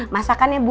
masakannya bu andi lu